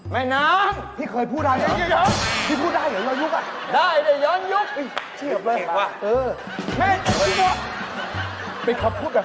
เมื่อพูดยังไง